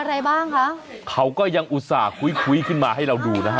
อะไรบ้างคะเขาก็ยังอุตส่าหุ้ยคุยคุยขึ้นมาให้เราดูนะฮะ